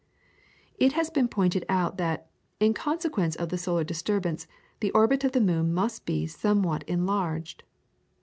] It has been pointed out that, in consequence of the solar disturbance, the orbit of the moon must be some what enlarged.